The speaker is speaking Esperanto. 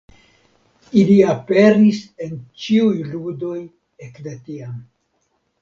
Ili aperis en ĉiuj ludoj ekde tiam.